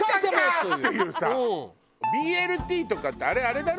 ＢＬＴとかってあれあれだろ？